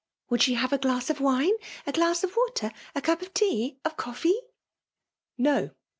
'' Would she have a glass of wine, — a glass of. water,— a cup of tea, — of coifee ?" No!